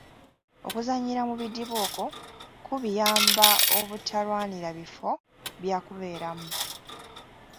Okuzannyira mu bidiba okwo kubiyamba obutalwanira bifo byakubeeramu.